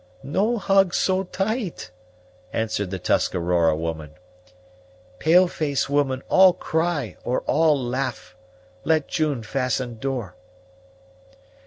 "No hug so tight," answered the Tuscarora woman. "Pale face woman all cry, or all laugh. Let June fasten door."